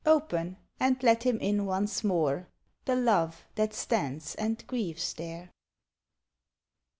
Open! and let him in once more, The Love that stands and grieves there.